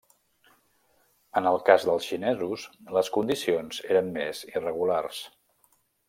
En el cas dels xinesos les condicions eren més irregulars.